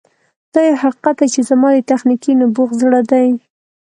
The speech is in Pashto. دا یو حقیقت دی چې زما د تخنیکي نبوغ زړه دی